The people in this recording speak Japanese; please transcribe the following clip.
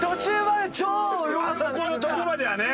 あそこのとこまではね。